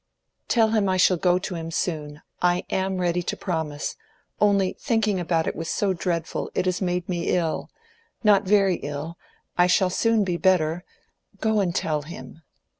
"Tell him I shall go to him soon: I am ready to promise. Only, thinking about it was so dreadful—it has made me ill. Not very ill. I shall soon be better. Go and tell him."